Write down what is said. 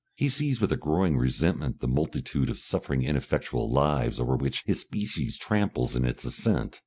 He sees with a growing resentment the multitude of suffering ineffectual lives over which his species tramples in its ascent.